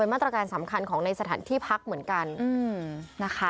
มาตรการสำคัญของในสถานที่พักเหมือนกันนะคะ